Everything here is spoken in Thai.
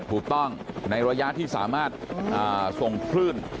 ถูกต้องในระยะที่สามารถส่งคลื่น